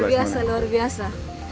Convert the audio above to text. luar biasa luar biasa